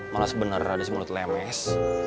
malah sebenarnya ada semulut lemes